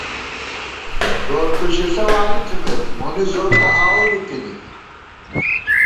گور کُھشِݪہ واری تھِمېت ، مونی زور تہ آؤو بِی تِنی